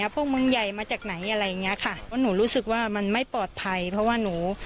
พวกเมืองใหม่มาจากไหนอะไรงี้ค่ะหนูรู้สึกว่ามันไม่ปลอดภัยเพราะหนู